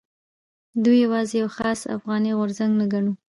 دوی یوازې یو خاص افغاني غورځنګ نه ګڼو.